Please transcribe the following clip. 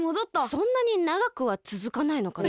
そんなにながくはつづかないのかな。